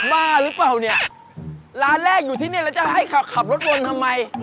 บ้าหรือเปล่าเนี่ยร้านแรกอยู่ที่นี่แล้วจะให้ขับขับรถวนทำไม